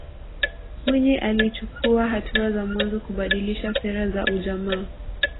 Mwinyi alichukuwa hatua za mwanzo kubadilisha sera za ujamaa